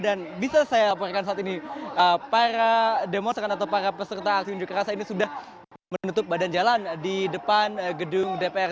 dan bisa saya laporkan saat ini para demonstran atau para peserta aksi unjuk kerasa ini sudah menutup badan jalan di depan gedung dpr